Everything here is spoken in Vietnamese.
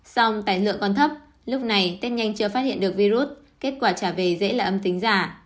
song tài lượng còn thấp lúc này test nhanh chưa phát hiện được virus kết quả trả về dễ là âm tính giả